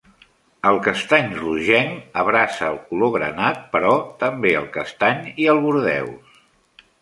El castany rogenc abraça el color granat, però també el castany i el bordeus.